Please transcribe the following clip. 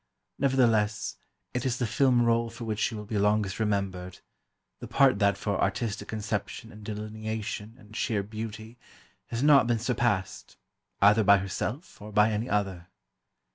Nevertheless, it is the film rôle for which she will be longest remembered, the part that for artistic conception and delineation and sheer beauty has not been surpassed, either by herself, or by any other.